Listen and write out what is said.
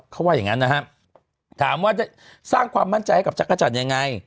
เขาว่าอย่างงั้นนะฮะถามว่าจะสร้างความมั่นใจให้กับจักรจันทร์ยังไง